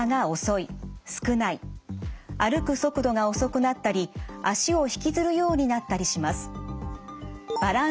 歩く速度が遅くなったり足を引きずるようになったりします。